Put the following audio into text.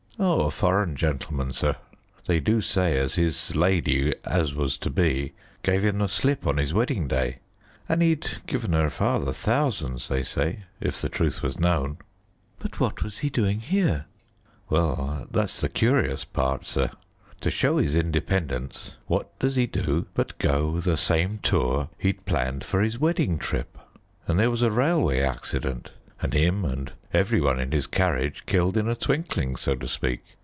"A foreign gentleman, sir; they do say as his lady as was to be gave him the slip on his wedding day, and he'd given her father thousands they say, if the truth was known." "But what was he doing here?" "Well, that's the curious part, sir. To show his independence, what does he do but go the same tour he'd planned for his wedding trip. And there was a railway accident, and him and every one in his carriage killed in a twinkling, so to speak.